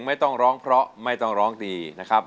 ไม่ต้องร้องเพราะไม่ต้องร้องดีนะครับ